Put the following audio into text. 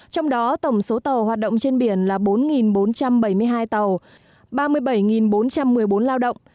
trong đó tổng số tàu hoạt động trên biển là bốn bốn trăm bảy mươi hai tàu ba mươi bảy bốn trăm một mươi bốn lao động